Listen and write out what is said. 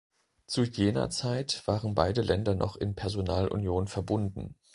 Zu jener Zeit waren beide Länder noch in Personalunion verbunden.